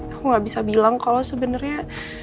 aku gak bisa bilang kalau sebenarnya